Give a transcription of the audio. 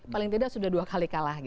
paling tidak sudah dua kali kalah